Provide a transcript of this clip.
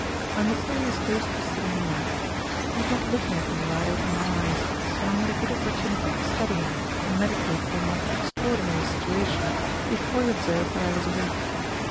My mysterious host was sitting near. He was not looking at me when I opened my eyes, and I had a good opportunity to study him and meditate upon my extraordinary situation, before he observed that I was awake.